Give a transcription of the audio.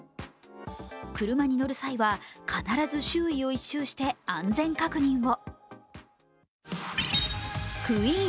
車に乗る際は必ず周囲を一周して安全確認を。